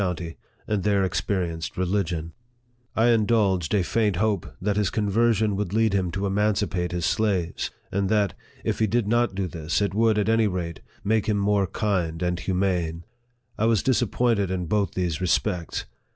county, and there experienced religion. I indulged a 54 NARRATIVE OF THE faint hope that his conversion would lead him to emanci pate his slaves, and that, if he did not do this, it would, at any rate, make him more kind and humane. I was disappointed in both these respects.